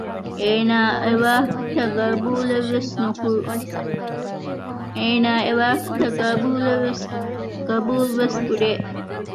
އޭނާ އެވާހަކަތައް ޤަބޫލުވެސް ކުރޭ